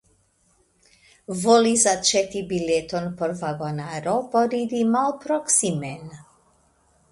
Volis aĉeti bileton por vagonaro por iri malproksimen.